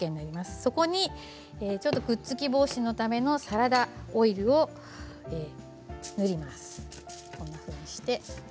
そこに、くっつき防止のためのサラダオイルを塗ります。